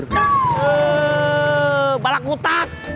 eee balak utak